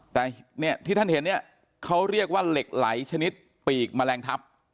แต่เนี่ยที่ท่านเห็นเนี่ยเขาเรียกว่าเหล็กไหลชนิดปีกแมลงทัพ